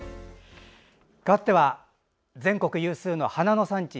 かわっては全国有数の花の産地